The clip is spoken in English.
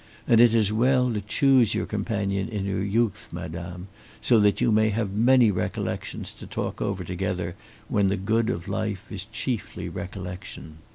And it is well to choose your companion in your youth, madame, so that you may have many recollections to talk over together when the good of life is chiefly recollection."